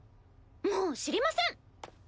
もう知りません！